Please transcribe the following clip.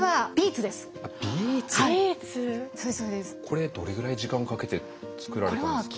これどれぐらい時間かけて作られたんですか？